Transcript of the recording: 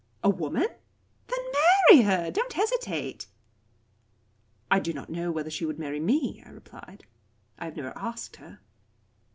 "A woman? Then marry her. Don't hesitate." "I do not know whether she would marry me," I replied. "I have never asked her."